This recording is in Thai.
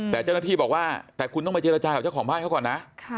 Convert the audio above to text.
แต่เจ้าน่ะที่บอกว่าคุณต้องเจรจาเกี่ยวกับของบ้านเขาก่อนนะ